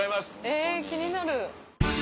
え気になる。